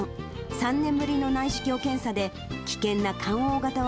３年ぶりの内視鏡検査で、危険なかん